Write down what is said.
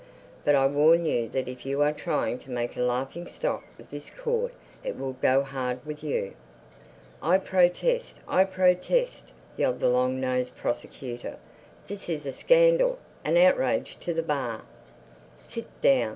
But I warn you that if you are trying to make a laughing stock of this Court it will go hard with you." "I protest, I protest!" yelled the long nosed Prosecutor. "This is a scandal, an outrage to the Bar!" "Sit down!"